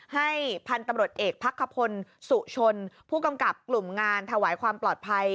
ให้พันธุ์ตำรวจเอกพักขพลสุชนผู้กำกับกลุ่มงานถวายความปลอดภัย